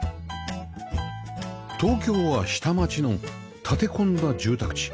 東京は下町の立て込んだ住宅地